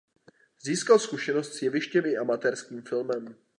Získal zkušenost s jevištěm i amatérským filmem.